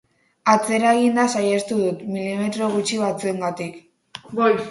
Atzera eginda saihestu dut, milimetro gutxi batzuengatik.